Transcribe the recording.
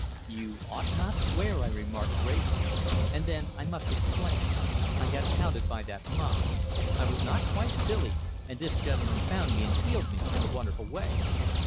"You ought not swear," I remarked, gravely; and then, "I must explain. I got pounded by that mob; I was knocked quite silly, and this gentleman found me, and healed me in a wonderful way."